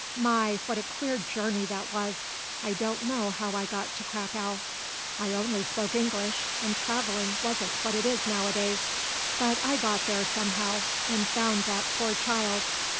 My, what a queer journey that was. I don't know how I got to Cracow. I only spoke English and travelling wasn't what it is nowadays. But I got there somehow and found that poor child.